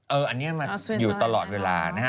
เอออันเนี่ยมันอยู่ตลอดเวลานะฮะ